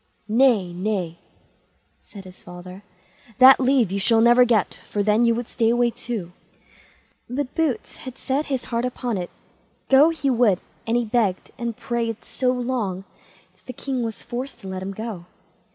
"Nay, nay!" said his father; "that leave you shall never get, for then you would stay away too." But Boots had set his heart upon it; go he would; and he begged and prayed so long that the king was forced to let him go.